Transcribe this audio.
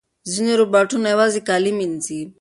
ځینې روباټونه یوازې کالي مینځي.